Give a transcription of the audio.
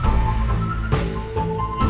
saya akan cerita soal ini